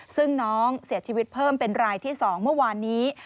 ซึ่งน้องเสียชีวิตเพิ่มเป็นรายที่๒เมื่อวานนี้